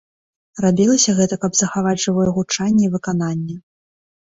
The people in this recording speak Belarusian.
Рабілася гэта, каб захаваць жывое гучанне і выкананне.